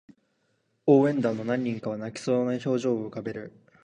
応援団の何人かは泣きそうな表情を浮かべる